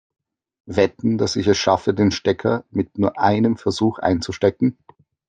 Wetten, dass ich es schaffe, den Stecker mit nur einem Versuch einzustecken?